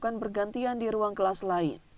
melakukan bergantian di ruang kelas lain